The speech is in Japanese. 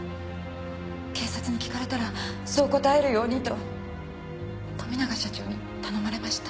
警察に聞かれたらそう答えるようにと富永社長に頼まれました。